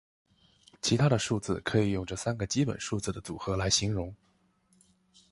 其他的数字可以用这三个基本数字的组合来形容。